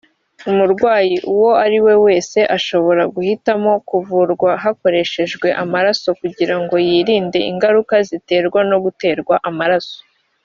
umurwayi uwo ari we wese ashobora guhitamo kuvurwa hadakoreshejwe amaraso kugira ngo yirinde ingaruka ziterwa no guterwa amaraso